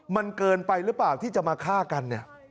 มันเกินไปหรือเปล่าที่จะมาฆ่ากันเนี่ย